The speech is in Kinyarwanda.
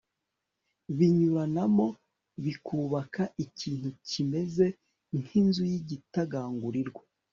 binyuranamo bikubaka ikintu kimeze nk'inzu y'igitagangurirwa